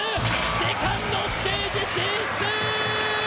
セカンドステージ進出。